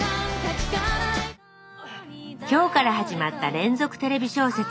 今日から始まった連続テレビ小説